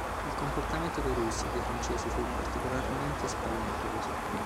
Il comportamento dei russi e dei francesi fu particolarmente spaventoso.